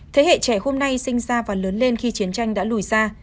thế hệ trẻ hôm nay sinh ra và lớn lên khi chiến tranh đã lùi xa